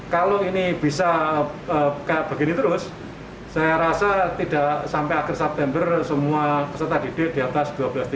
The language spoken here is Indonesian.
kalau ini bisa kayak begini terus saya rasa tidak sampai akhir september semua peserta didik di atas dua belas tiga puluh